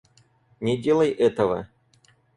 Не делай этого!